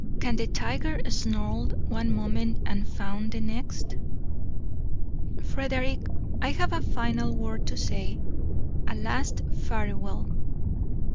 Can the tiger snarl one moment and fawn the next? "Frederick, I have a final word to say a last farewell.